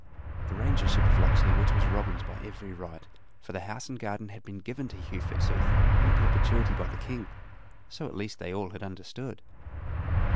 The Rangership of Locksley Woods was Robin's by every right: for the house and garden had been given to Hugh Fitzooth in perpetuity by the King. So at least they all had understood.